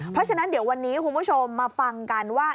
เพราะฉะนั้นเดี๋ยววันนี้คุณผู้ชมมาฟังกันว่า